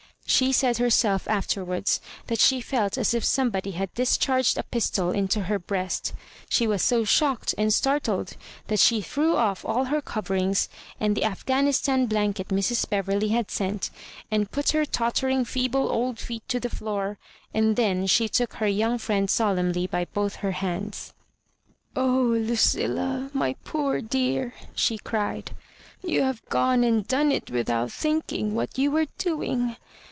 She said herself afterwards that she felt as if some body had discharged a pistol into her breasf She was so shocked and startled that she threw off aU her coverings and the Affghanistan blanket Mrs. Beverley had sent, and put her tottering feeble old feet to the fioor — and then she took her young friend solenmly by both her hands. " Oh, Ludlla^ my poor dear I " she cried, " you have gone and done it without thinking what you were doing.